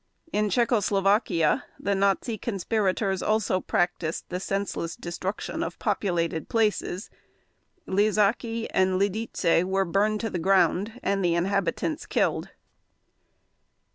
In Czechoslovakia the Nazi conspirators also practiced the senseless destruction of populated places. Lezaky and Lidice were burned to the ground and the inhabitants killed.